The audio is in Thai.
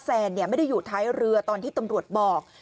แซนไม่ได้อยู่ท้ายเรือตอนที่ตำรวจบอก